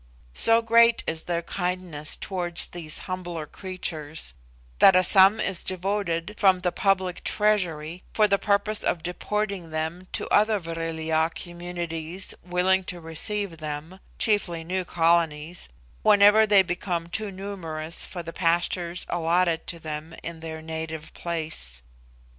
So great is their kindness towards these humbler creatures, that a sum is devoted from the public treasury for the purpose of deporting them to other Vril ya communities willing to receive them (chiefly new colonies), whenever they become too numerous for the pastures allotted to them in their native place.